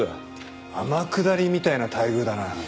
天下りみたいな待遇だな。